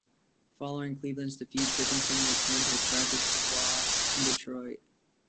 Following Cleveland's defeat, Dickinson returned to the practice of law in Detroit.